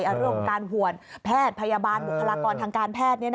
ความไม่พอใจเรื่องการห่วนแพทย์พยาบาลบุคลากรทางการแพทย์